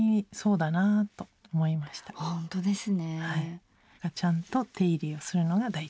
だからちゃんと手入れをするのが大事。